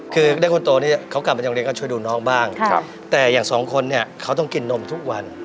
คือเด็กคนโตนี่เขากลับมาจากโรงเรียนก็ช่วยดูน้องบ้างแต่อย่างสองคนเนี่ยเขาต้องกินนมทุกวัน